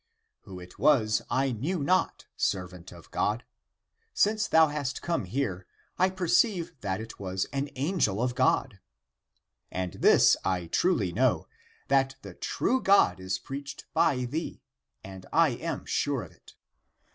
Who it was, I knew not, servant of God. Since thou hast come here, I perceive that it was an angel of God. And this I truly know, that the true God is preached by thee ; and I am sure of it.